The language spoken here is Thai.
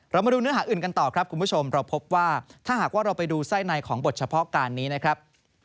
เรามาดูเนื้อหาอื่นกันต่อครับคุณผู้ชมเราพบว่าถ้าหากว่าเราไปดูไส้ในของบทเฉพาะการนี้นะครับ